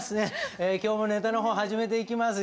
今日もネタの方始めていきますよ。